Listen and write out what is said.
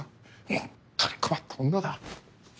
ホンットに困った女だ。